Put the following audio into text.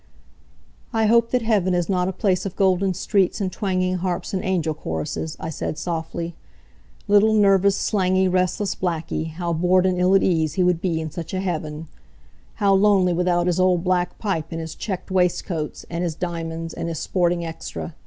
"I hope that heaven is not a place of golden streets, and twanging harps and angel choruses," I said, softly. "Little, nervous, slangy, restless Blackie, how bored and ill at ease he would be in such a heaven! How lonely, without his old black pipe, and his checked waistcoats, and his diamonds, and his sporting extra.